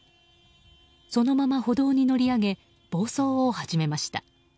そのまま歩道に乗り上げ暴走を始めました。